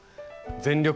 「全力！